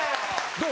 どう？